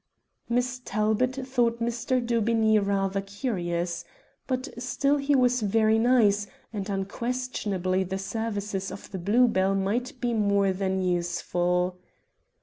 Miss Talbot thought Mr. Daubeney rather curious. But still he was very nice, and unquestionably the services of the Blue Bell might be more than useful.